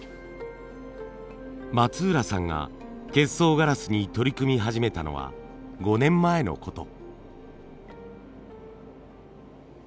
松浦さんが結霜ガラスに取り組み始めたのは５年前のこと。